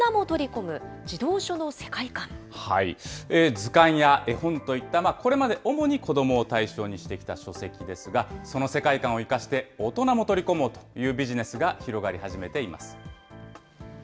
けさは、図鑑や絵本といった、これまで主に子どもを対象にしてきた書籍ですが、その世界観を生かして、大人も取り込もうというビジネスが広がり始めています。